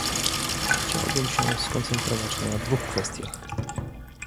Chciałbym się skoncentrować na dwóch kwestiach